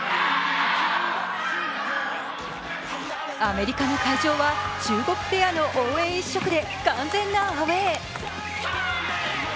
アメリカの会場は中国ペアの応援一色で完全なアウェー。